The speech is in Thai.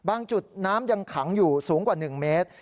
จุดน้ำยังขังอยู่สูงกว่า๑เมตร